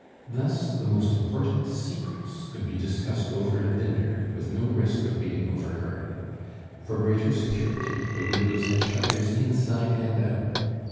Thus the most important secrets could be discussed over a dinner, with no risk of being overheard. For greater security, the windows had shutters inside and out.